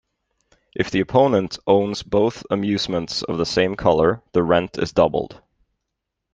If the opponent owns both amusements of the same color the rent is doubled.